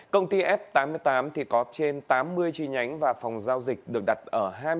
công ty f tám mươi tám có trên tám mươi chi nhánh và phòng giao dịch được đặt ở hai mươi ba